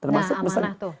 nah amanah tuh